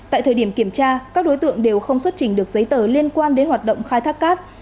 tại thời điểm kiểm tra các đối tượng đều không xuất trình được giấy tờ liên quan đến hoạt động khai thác cát